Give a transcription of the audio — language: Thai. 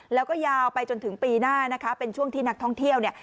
แล้วก็ยาวไปจนถึงปีหน้านะคะเป็นช่วงที่นักท่องเที่ยวเนี่ย